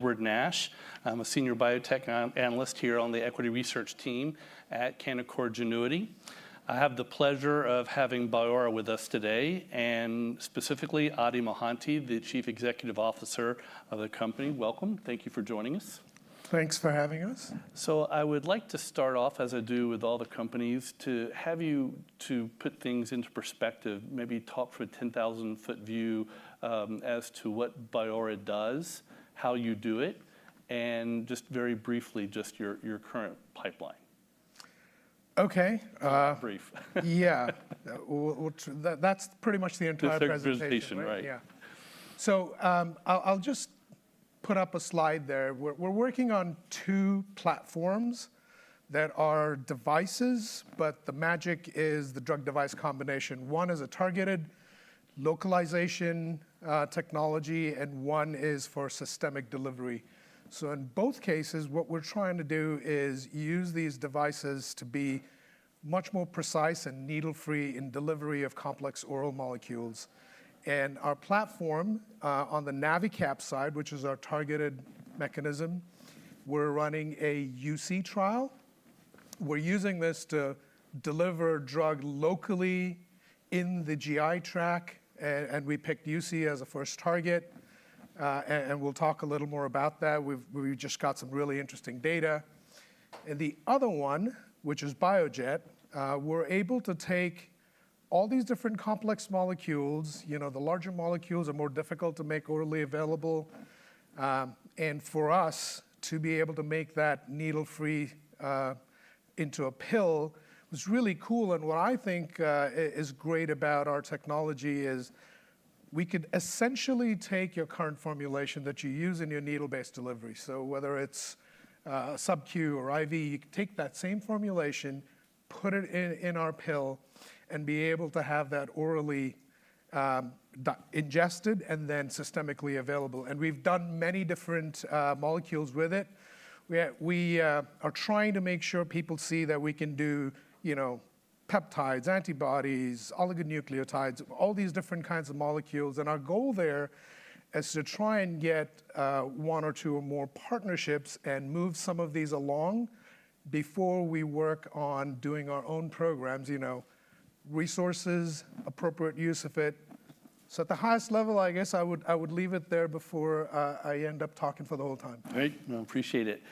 Edward Nash. I'm a senior biotech analyst here on the equity research team at Canaccord Genuity. I have the pleasure of having Biora with us today, and specifically, Adi Mohanty, the Chief Executive Officer of the company. Welcome. Thank you for joining us. Thanks for having us. I would like to start off, as I do with all the companies, to have you to put things into perspective, maybe talk through a 10,000-foot view, as to what Biora does, how you do it, and just very briefly, just your, your current pipeline. Okay. Brief. Yeah. Well, that, that's pretty much the entire presentation. The presentation, right? Yeah. So, I'll just put up a slide there. We're working on two platforms that are devices, but the magic is the drug device combination. One is a targeted localization technology, and one is for systemic delivery. In both cases, what we're trying to do is use these devices to be much more precise and needle-free in delivery of complex oral molecules. And our platform on the NaviCap side, which is our targeted mechanism, we're running a UC trial. We're using this to deliver drug locally in the GI tract, and we picked UC as a first target. And we'll talk a little more about that. We've just got some really interesting data. And the other one, which is BioJet, we're able to take all these different complex molecules... You know, the larger molecules are more difficult to make orally available. And for us to be able to make that needle-free into a pill was really cool. And what is great about our technology is we could essentially take your current formulation that you use in your needle-based delivery, so whether it's a SubQ or IV, you can take that same formulation, put it in our pill, and be able to have that orally ingested and then systemically available, and we've done many different molecules with it. We are trying to make sure people see that we can do, you know, peptides, antibodies, oligonucleotides, all these different kinds of molecules. Our goal there is to try and get 1 or 2 or more partnerships and move some of these along before we work on doing our own programs, you know, resources, appropriate use of it. At the highest level, I guess I would leave it there before I end up talking for the whole time. Great. Well, appreciate it.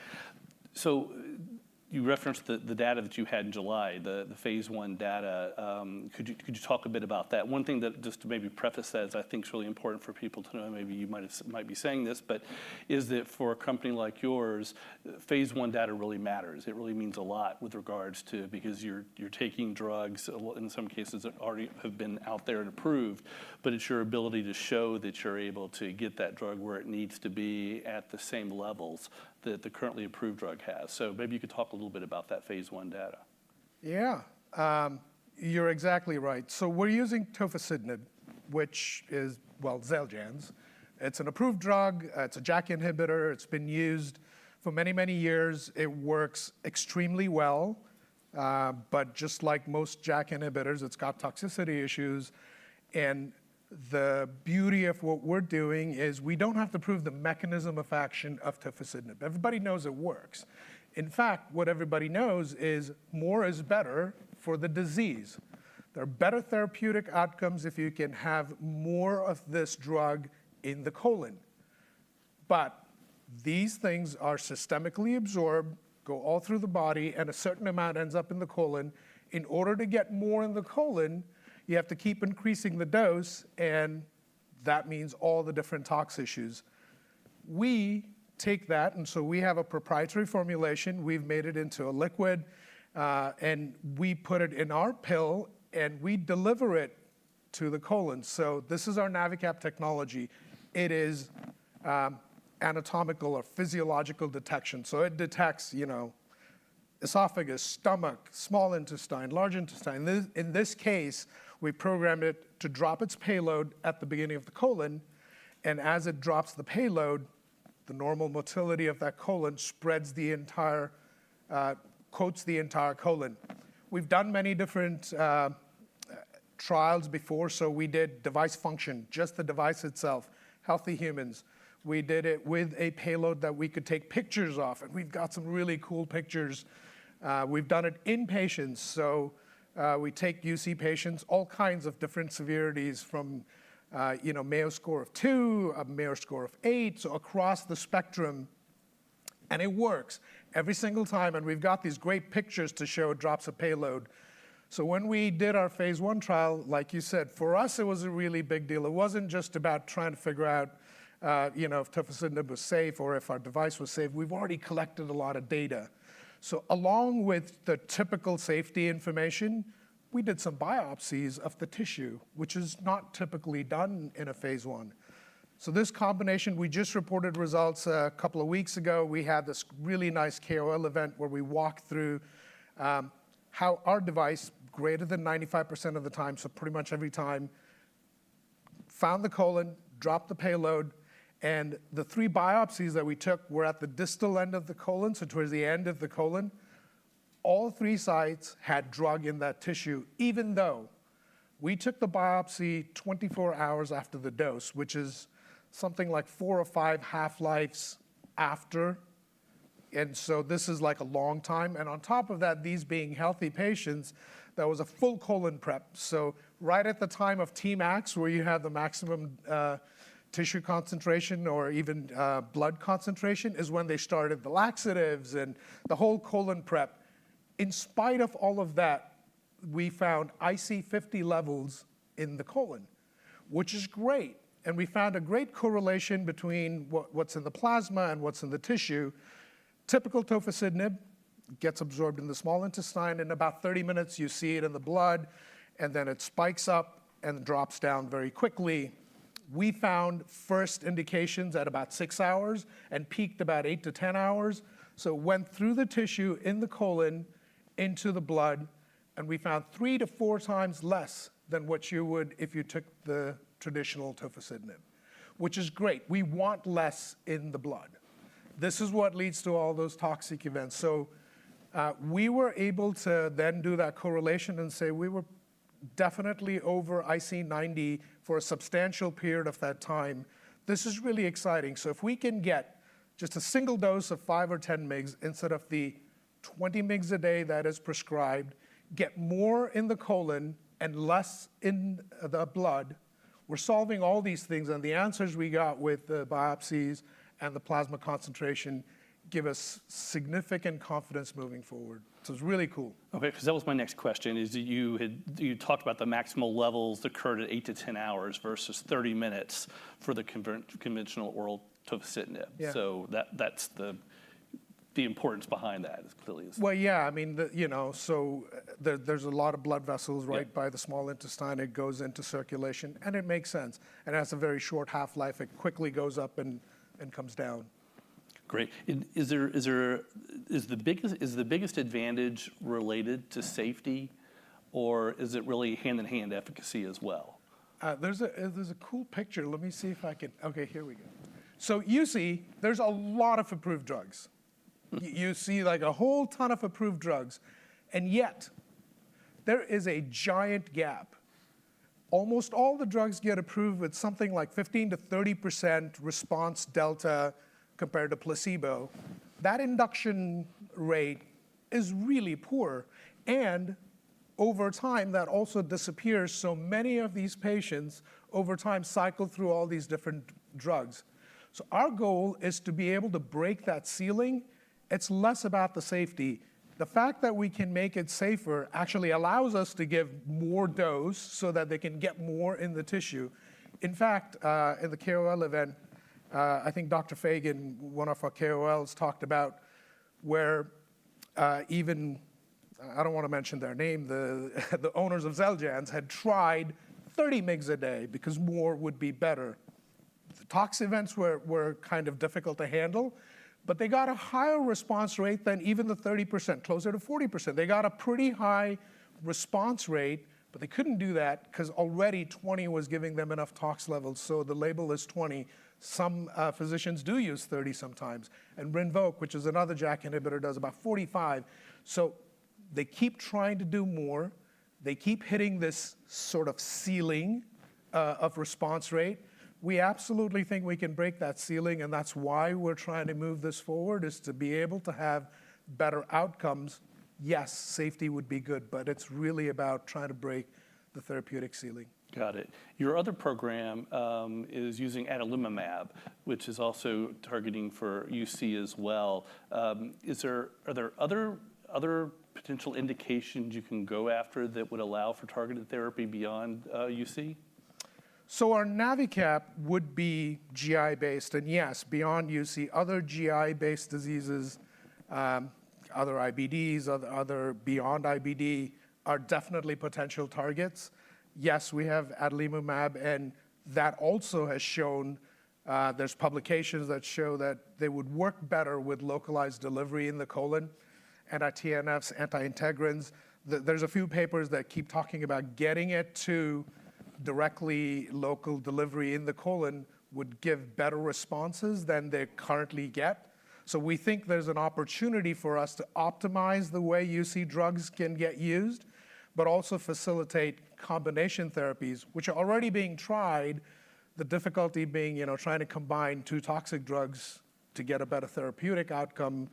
You referenced the data that you had in July, the phase I data. Could you talk a bit about that? One thing that, just to maybe preface that is really important for people to know, maybe you might have... might be saying this, but is that for a company like yours, phase I data really matters. It really means a lot with regards to... because you're taking drugs, in some cases, that already have been out there and approved, but it's your ability to show that you're able to get that drug where it needs to be at the same levels that the currently approved drug has. Maybe you could talk a little bit about that phase I data. Yeah. You're exactly right. We're using tofacitinib, which is, well, Xeljanz. It's an approved drug. It's a JAK inhibitor. It's been used for many, many years. It works extremely well, but just like most JAK inhibitors, it's got toxicity issues, and the beauty of what we're doing is we don't have to prove the mechanism of action of tofacitinib. Everybody knows it works. In fact, what everybody knows is more is better for the disease. There are better therapeutic outcomes if you can have more of this drug in the colon. But these things are systemically absorbed, go all through the body, and a certain amount ends up in the colon. In order to get more in the colon, you have to keep increasing the dose, and that means all the different tox issues. We take that, and so we have a proprietary formulation. We've made it into a liquid, and we put it in our pill, and we deliver it to the colon. This is our NaviCap technology. It is, anatomical or physiological detection. It detects, you know, esophagus, stomach, small intestine, large intestine. In this case, we programmed it to drop its payload at the beginning of the colon, and as it drops the payload, the normal motility of that colon spreads the entire, coats the entire colon. We've done many different, trials before, so we did device function, just the device itself, healthy humans. We did it with a payload that we could take pictures of, and we've got some really cool pictures. We've done it in patients, so, we take UC patients, all kinds of different severities from, you know, Mayo Score of 2, a Mayo Score of 8, so across the spectrum, and it works every single time, and we've got these great pictures to show it drops a payload. When we did our phase I trial, like you said, for us, it was a really big deal. It wasn't just about trying to figure out, you know, if tofacitinib was safe or if our device was safe. We've already collected a lot of data. Along with the typical safety information, we did some biopsies of the tissue, which is not typically done in a phase I. This combination, we just reported results a couple of weeks ago. We had this really nice KOL event where we walked through how our device, greater than 95% of the time, so pretty much every time, found the colon, dropped the payload, and the three biopsies that we took were at the distal end of the colon, so towards the end of the colon. All three sites had drug in that tissue, even though we took the biopsy 24 hours after the dose, which is something like four or five half-lives after, and so this is like a long time. And on top of that, these being healthy patients, that was a full colon prep. Right at the time of Tmax, where you have the maximum tissue concentration or even blood concentration, is when they started the laxatives and the whole colon prep. In spite of all of that, we found IC50 levels in the colon, which is great, and we found a great correlation between what, what's in the plasma and what's in the tissue. Typical tofacitinib gets absorbed in the small intestine. In about 30 minutes you see it in the blood, and then it spikes up and drops down very quickly. We found first indications at about 6 hours and peaked about 8-10 hours. It went through the tissue in the colon into the blood, and we found 3-4 times less than what you would if you took the traditional tofacitinib, which is great. We want less in the blood. This is what leads to all those toxic events. So, we were able to then do that correlation and say we were definitely over IC90 for a substantial period of that time. This is really exciting. If we can get just a single dose of 5 or 10 mgs instead of the 20 mgs a day that is prescribed, get more in the colon and less in the blood, we're solving all these things, and the answers we got with the biopsies and the plasma concentration give us significant confidence moving forward. It's really cool. Okay, 'cause that was my next question, is that you had—you talked about the maximal levels occurred at 8-10 hours versus 30 minutes for the conventional oral tofacitinib. Yeah. That's the importance behind that as clearly as. Well, yeah, I mean, you know, so there's a lot of blood vessels right by the small intestine. It goes into circulation, and it makes sense, and it has a very short half-life. It quickly goes up and comes down. Great. And is the biggest advantage related to safety, or is it really hand-in-hand efficacy as well? There's a cool picture. Let me see if I can... Okay, here we go. There's a lot of approved drugs. You, you see, like, a whole ton of approved drugs, and yet there is a giant gap. Almost all the drugs get approved with something like 15%-30% response delta compared to placebo. That induction rate is really poor, and over time, that also disappears, so many of these patients, over time, cycle through all these different drugs. Our goal is to be able to break that ceiling. It's less about the safety. The fact that we can make it safer actually allows us to give more dose so that they can get more in the tissue. In fact, in the KOL event, Dr. Feagan, one of our KOLs, talked about where, even, I don't wanna mention their name, the owners of Xeljanz had tried 30 mg a day because more would be better. The tox events were kind of difficult to handle, but they got a higher response rate than even the 30%, closer to 40%. They got a pretty high response rate, but they couldn't do that 'cause already 20 was giving them enough tox levels, so the label is 20. Some physicians do use 30 sometimes, and Rinvoq, which is another JAK inhibitor, does about 45%. They keep trying to do more. They keep hitting this sort of ceiling of response rate. We absolutely think we can break that ceiling, and that's why we're trying to move this forward, is to be able to have better outcomes. Yes, safety would be good, but it's really about trying to break the therapeutic ceiling. Got it. Your other program is using adalimumab, which is also targeting for UC as well. Are there other potential indications you can go after that would allow for targeted therapy beyond UC? Our NaviCap would be GI-based, and yes, beyond UC, other GI-based diseases, other beyond IBD, are definitely potential targets. Yes, we have adalimumab, and that also has shown, there's publications that show that they would work better with localized delivery in the colon, anti-TNFs, anti-integrins. There's a few papers that keep talking about getting it to directly local delivery in the colon would give better responses than they currently get. We think there's an opportunity for us to optimize the way UC drugs can get used, but also facilitate combination therapies, which are already being tried, the difficulty being, you know, trying to combine two toxic drugs to get a better therapeutic outcome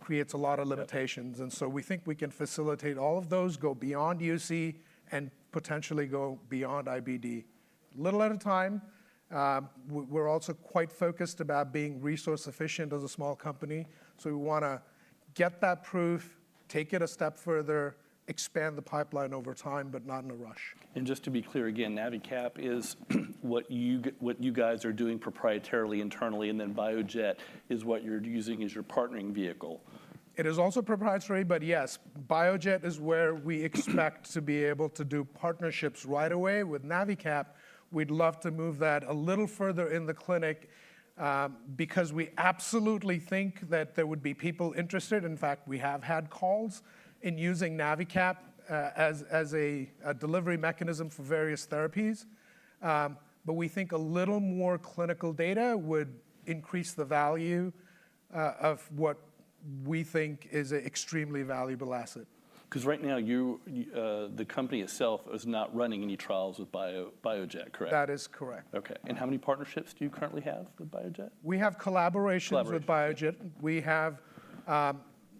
creates a lot of limitations. We think we can facilitate all of those, go beyond UC, and potentially go beyond IBD. A little at a time. We're also quite focused about being resource-efficient as a small company, so we wanna get that proof, take it a step further, expand the pipeline over time, but not in a rush. Just to be clear, again, NaviCap is what you guys are doing proprietarily, internally, and then BioJet is what you're using as your partnering vehicle. It is also proprietary, but yes, BioJet is where we expect to be able to do partnerships right away. With NaviCap, we'd love to move that a little further in the clinic, because we absolutely think that there would be people interested. In fact, we have had calls in using NaviCap, as a delivery mechanism for various therapies. But we think a little more clinical data would increase the value, of what we think is an extremely valuable asset. 'Cause right now you, the company itself is not running any trials with BioJet, correct? That is correct. Okay, and how many partnerships do you currently have with BioJet? We have collaborations with BioJet. We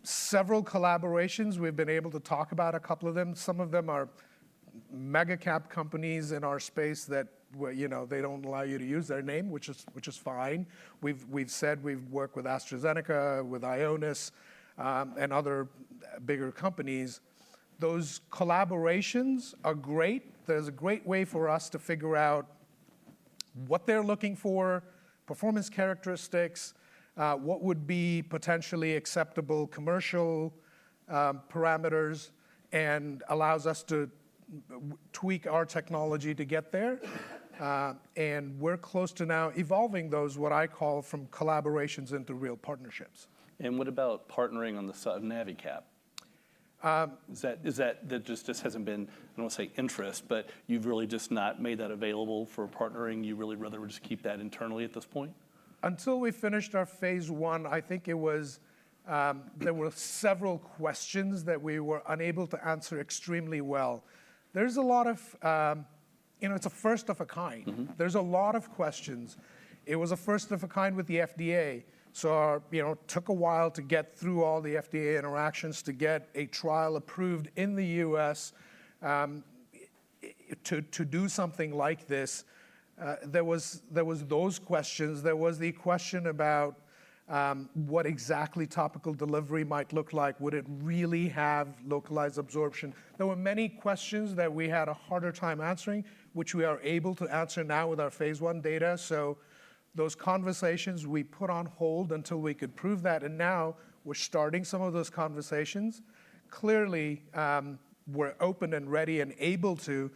have several collaborations. We've been able to talk about a couple of them. Some of them are mega cap companies in our space that, well, you know, they don't allow you to use their name, which is, which is fine. We've said we've worked with AstraZeneca, with Ionis, and other bigger companies. Those collaborations are great. There's a great way for us to figure out what they're looking for, performance characteristics, what would be potentially acceptable commercial parameters, and allows us to tweak our technology to get there. And we're close to now evolving those, what I call, from collaborations into real partnerships. What about partnering on the NaviCap? Is that just hasn't been, I don't wanna say interest, but you've really just not made that available for partnering. You'd really rather just keep that internally at this point? Until we finished our phase I, it was, there were several questions that we were unable to answer extremely well. There's a lot of... You know, it's a first of a kind. There's a lot of questions. It was a first of a kind with the FDA, so our, you know, took a while to get through all the FDA interactions to get a trial approved in the U.S., to do something like this. There was those questions, there was the question about, what exactly topical delivery might look like. Would it really have localized absorption? There were many questions that we had a harder time answering, which we are able to answer now with our phase I data. Those conversations we put on hold until we could prove that, and now we're starting some of those conversations. Clearly, we're open and ready and able to.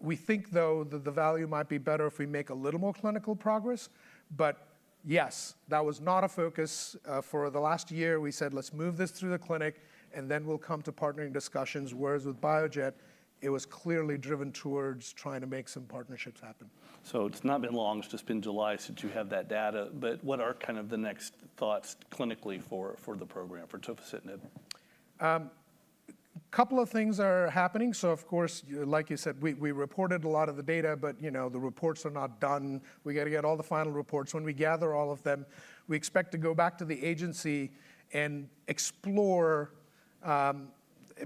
We think, though, that the value might be better if we make a little more clinical progress. But yes, that was not a focus for the last year. We said, "Let's move this through the clinic, and then we'll come to partnering discussions." Whereas with BioJet, it was clearly driven towards trying to make some partnerships happen. It's not been long. It's just been July since you had that data, but what are kind of the next thoughts clinically for, for the program, for tofacitinib? Couple of things are happening. Of course, like you said, we, we reported a lot of the data, but, you know, the reports are not done. We gotta get all the final reports. When we gather all of them, we expect to go back to the agency and explore a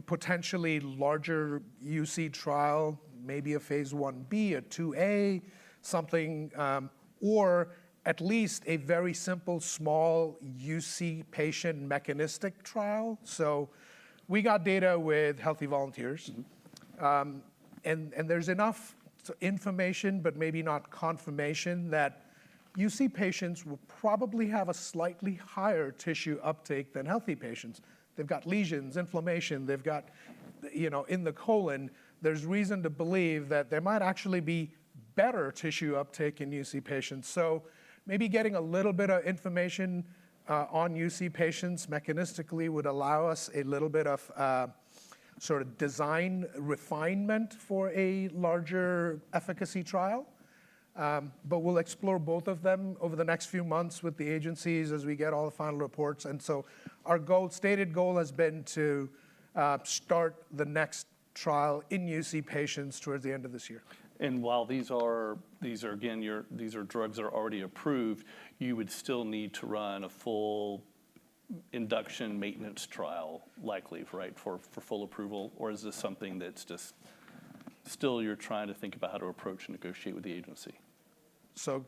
potentially larger UC trial, maybe a phase Ib, a 2a, something or at least a very simple, small UC patient mechanistic trial. We got data with healthy volunteers. And there's enough information, but maybe not confirmation, that UC patients will probably have a slightly higher tissue uptake than healthy patients. They've got lesions, inflammation, they've got, you know... In the colon, there's reason to believe that there might actually be better tissue uptake in UC patients. Maybe getting a little bit of information on UC patients mechanistically would allow us a little bit of sort of design refinement for a larger efficacy trial. But we'll explore both of them over the next few months with the agencies as we get all the final reports, and so our goal-stated goal has been to start the next trial in UC patients towards the end of this year. While these are, these are again, your—these are drugs that are already approved, you would still need to run a full induction maintenance trial likely, right, for full approval? Or is this something that's just still you're trying to think about how to approach and negotiate with the agency? So,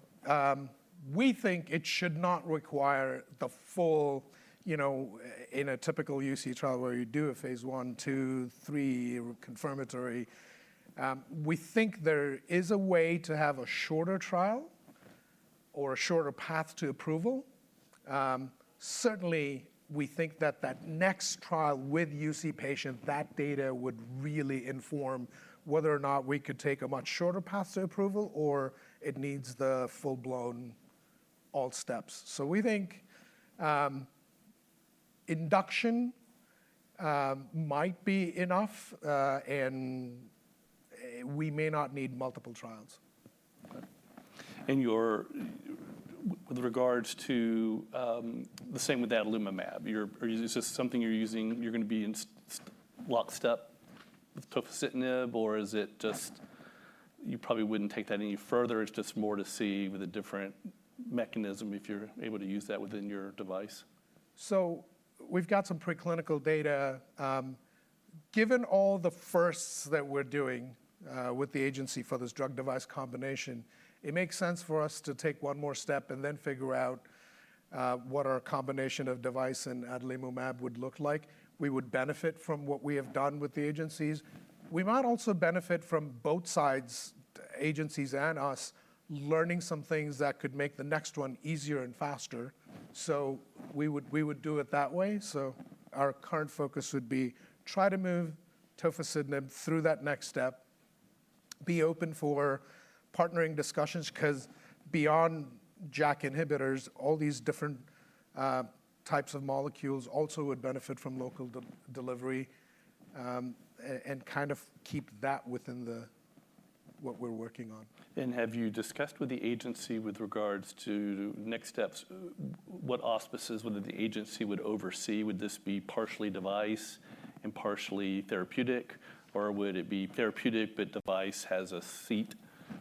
we think it should not require the full. You know, in a typical UC trial where you do a phase I, 2, 3, confirmatory, we think there is a way to have a shorter trial or a shorter path to approval. Certainly we think that that next trial with UC patient, that data would really inform whether or not we could take a much shorter path to approval, or it needs the full-blown all steps. We think, induction, might be enough, and we may not need multiple trials. With regards to the same with adalimumab, is this something you're using, are you gonna be in lockstep with tofacitinib, or is it just you probably wouldn't take that any further, it's just more to see with a different mechanism if you're able to use that within your device? We've got some preclinical data. Given all the firsts that we're doing, with the agency for this drug device combination, it makes sense for us to take one more step and then figure out, what our combination of device and adalimumab would look like. We would benefit from what we have done with the agencies. We might also benefit from both sides, agencies and us, learning some things that could make the next one easier and faster. We would, we would do it that way. Our current focus would be try to move tofacitinib through that next step, be open for partnering discussions, 'cause beyond JAK inhibitors, all these different, types of molecules also would benefit from local delivery. And kind of keep that within the, what we're working on. Have you discussed with the agency with regards to next steps, what auspices, whether the agency would oversee? Would this be partially device and partially therapeutic, or would it be therapeutic, but device has a seat,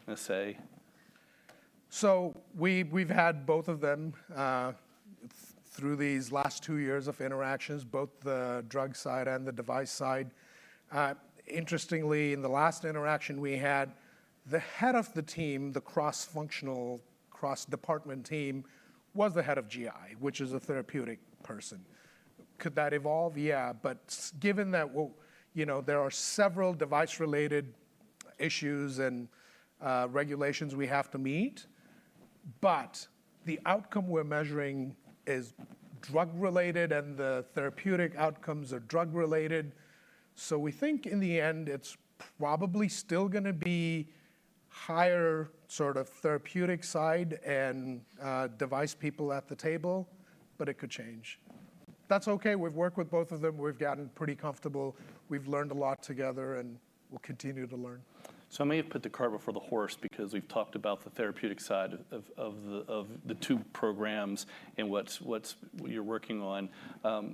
per se? We, we've had both of them through these last two years of interactions, both the drug side and the device side. Interestingly, in the last interaction we had, the head of the team, the cross-functional, cross-department team, was the head of GI, which is a therapeutic person. Could that evolve? Yeah, but given that, well, you know, there are several device-related issues and regulations we have to meet, but the outcome we're measuring is drug-related, and the therapeutic outcomes are drug-related. We think in the end it's probably still gonna be higher sort of therapeutic side and device people at the table, but it could change. That's okay, we've worked with both of them. We've gotten pretty comfortable, we've learned a lot together, and we'll continue to learn. I may have put the cart before the horse because we've talked about the therapeutic side of the two programs and what you're working on.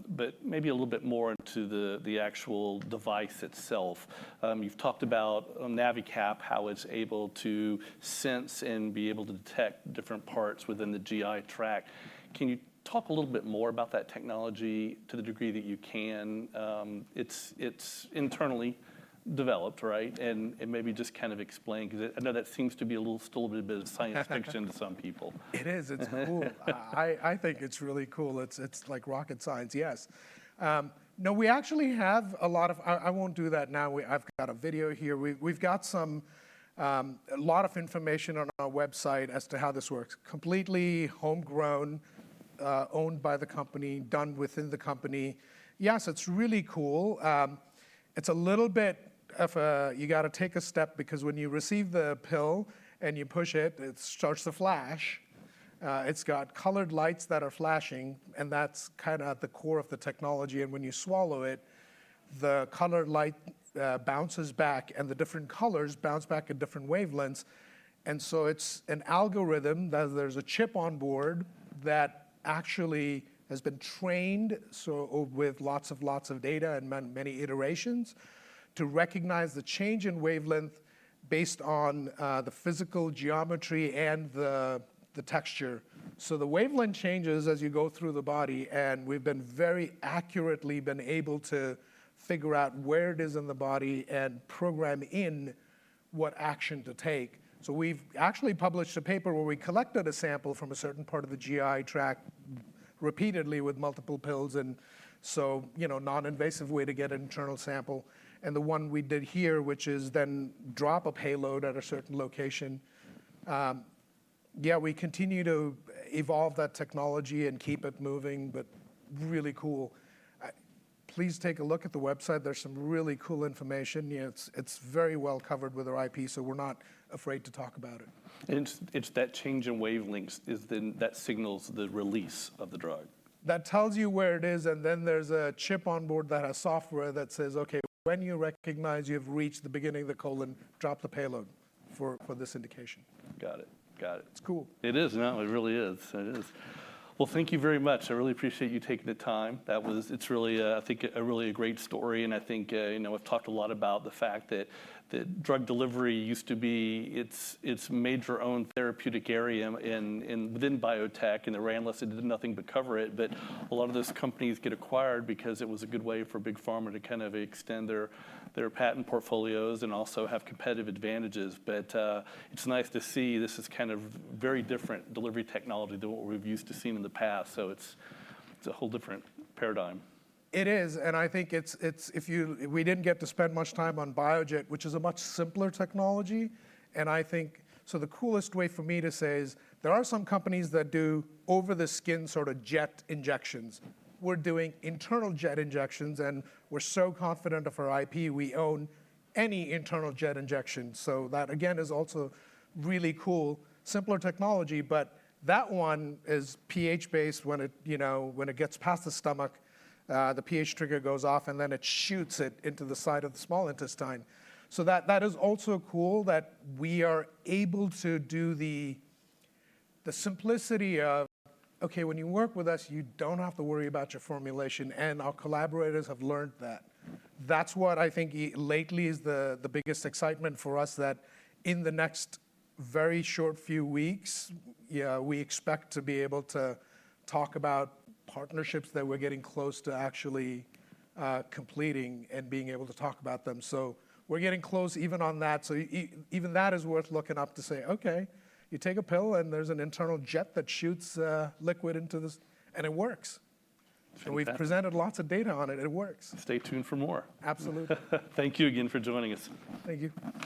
But maybe a little bit more into the actual device itself. You've talked about NaviCap, how it's able to sense and be able to detect different parts within the GI tract. Can you talk a little bit more about that technology to the degree that you can? It's internally developed, right? And maybe just kind of explain, 'cause I know that seems to be still a little bit of science fiction to some people. It is. It's cool. It's really cool. It's like rocket science, yes. No, we actually have a lot of... I won't do that now. I've got a video here. We've got some, a lot of information on our website as to how this works. Completely homegrown, owned by the company, done within the company. Yes, it's really cool. It's a little bit of a, you gotta take a step because when you receive the pill and you push it, it starts to flash. It's got colored lights that are flashing, and that's kind of at the core of the technology, and when you swallow it, the colored light bounces back, and the different colors bounce back at different wavelengths. It's an algorithm that there's a chip on board that actually has been trained, so with lots of, lots of data and many iterations, to recognize the change in wavelength based on the physical geometry and the texture. The wavelength changes as you go through the body, and we've been very accurately been able to figure out where it is in the body and program in what action to take. We've actually published a paper where we collected a sample from a certain part of the GI tract repeatedly with multiple pills, and so, you know, non-invasive way to get an internal sample. And the one we did here, which is then drop a payload at a certain location. Yeah, we continue to evolve that technology and keep it moving, but really cool. Please take a look at the website. There's some really cool information. It's very well covered with our IP, so we're not afraid to talk about it. It's that change in wavelengths that signals the release of the drug. That tells you where it is, and then there's a chip on board that has software that says, "Okay, when you recognize you've reached the beginning of the colon, drop the payload for this indication. Got it. It's cool. It is. No, it really is. It is. Well, thank you very much. I really appreciate you taking the time. That was, it's really a really great story, and we've talked a lot about the fact that drug delivery used to be... It was its own major therapeutic area within biotech, and the analysts did nothing but cover it. But, it's nice to see this is kind of very different delivery technology than what we've used to seen in the past. It's a whole different paradigm. It is. We didn't get to spend much time on BioJet, which is a much simpler technology. So the coolest way for me to say is, there are some companies that do over-the-skin sort of jet injections. We're doing internal jet injections, and we're so confident of our IP, we own any internal jet injection. So that, again, is also really cool. Simpler technology, but that one is pH-based. When it you know when it gets past the stomach, the pH trigger goes off, and then it shoots it into the side of the small intestine. So that is also cool that we are able to do the simplicity of, "Okay, when you work with us, you don't have to worry about your formulation," and our collaborators have learned that. That's what is lately the biggest excitement for us, that in the next very short few weeks, yeah, we expect to be able to talk about partnerships that we're getting close to actually completing and being able to talk about them. So we're getting close even on that. So even that is worth looking up to say, "Okay, you take a pill, and there's an internal jet that shoots liquid into this," and it works. Fantastic. We've presented lots of data on it, and it works. Stay tuned for more. Absolutely. Thank you again for joining us. Thank you.